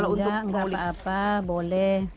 oh enggak enggak apa apa boleh